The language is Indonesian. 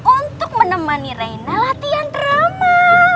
untuk menemani raina latihan drama